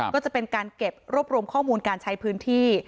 ก็จะเป็นการเก็บรวบรวมข้อมูลการใช้พื้นที่